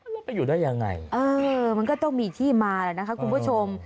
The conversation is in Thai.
แล้วไปอยู่ได้ยังไงเออมันก็ต้องมีที่มาแล้วนะคะคุณผู้ชม